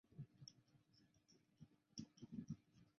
元代废湖阳县入泌阳县仍属唐州。